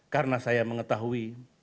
karena saya mengetahui